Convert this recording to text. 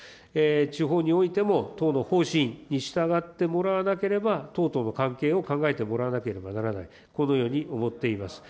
地方においても、党の方針に従ってもらわなければ、党との関係を考えてもらわなければならない、このように思っています。